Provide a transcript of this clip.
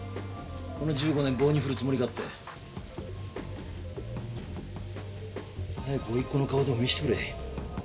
この１５年棒に振るつもりかって。早く甥っ子の顔でも見せてくれ。